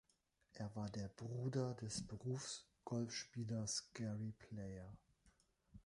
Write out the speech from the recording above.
Er war der Bruder des Berufsgolfspielers Gary Player.